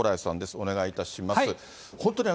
お願いいたします。